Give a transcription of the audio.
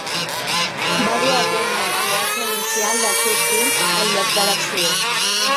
Va dur a terme el triatge inicial dels seus fills al lloc de l'accident.